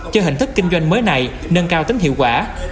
cho hình thức kinh doanh mới này nâng cao tính hiệu quả